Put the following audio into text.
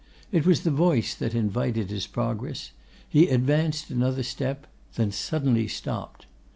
It was the voice that invited his progress; he advanced another step, then suddenly stopped.